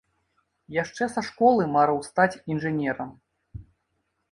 Яшчэ са школы марыў стаць інжынерам.